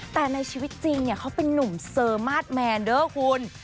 แต่ในชีวิตจริงเขาเป็นนุ่มเซอร์มาสแมนเด้อคุณ